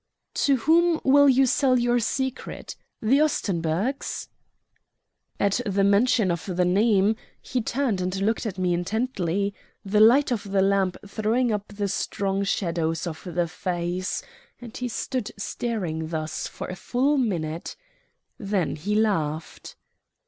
"To whom will you sell your secret? The Ostenburgs?" At the mention of the name he turned and looked at me intently, the light of the lamp throwing up the strong shadows of the face; and he stood staring thus for a full minute. Then he laughed.